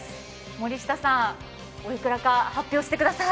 森下さん、おいくらか発表してください。